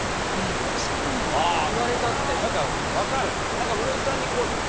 何か室井さんに。